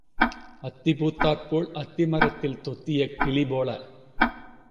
அத்தி பூத்தாற் போல் அத்தி மரத்தில் தொத்திய கிளி போல,